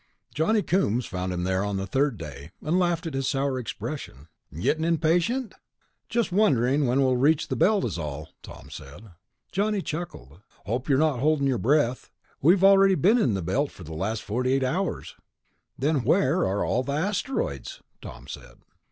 Johnny Coombs found him there on the third day, and laughed at his sour expression. "Gettin' impatient?" "Just wondering when we'll reach the Belt, is all," Tom said. Johnny chuckled. "Hope you're not holdin' your breath. We've already been in the Belt for the last forty eight hours." "Then where are all the asteroids?" Tom said.